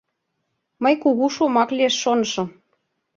Мый кугу шомак лиеш шонышым.